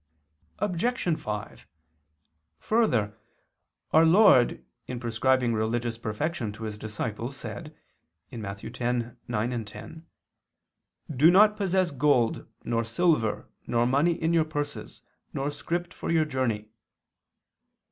Obj. 5: Further, our Lord in prescribing religious perfection to His disciples, said (Matt. 10:9, 10): "Do not possess gold, nor silver, nor money in your purses, nor script for your journey."